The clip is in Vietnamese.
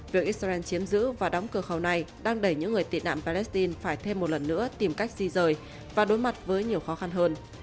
việc israel chiếm giữ và đóng cửa khẩu này đang đẩy những người tị nạn palestine phải thêm một lần nữa tìm cách di rời và đối mặt với nhiều khó khăn hơn